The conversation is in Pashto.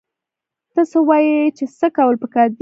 ته څه وايې چې څه کول پکار دي؟